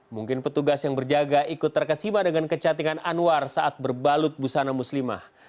mungkin petugas yang berjaga ikut terkesima dengan kecatingan anwar saat berbalut busana muslimah